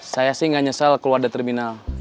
saya sih nggak nyesel keluar dari terminal